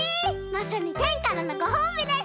まさにてんからのごほうびです！